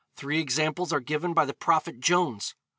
Three examples are given by the Prophet Jones.